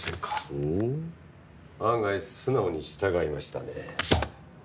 ほう案外素直に従いましたね。